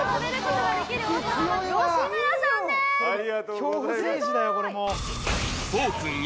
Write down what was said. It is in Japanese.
恐怖政治だよこれもう。